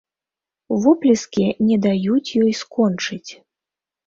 Воплескі не даюць ёй скончыць.